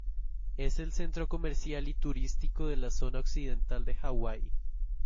Es el centro comercial y turístico de la zona occidental de Hawái.